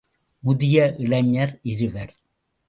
முதிய இளைஞர் இருவர் ….